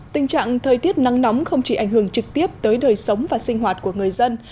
tình trạng thời tiết nắng nóng không chỉ ảnh hưởng trực tiếp tới đời sống và sinh hoạt của người dân